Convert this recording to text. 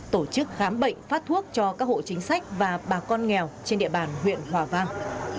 tổ chức khám bệnh phát thuốc cho các hộ chính sách và bà con nghèo trên địa bàn huyện hòa vang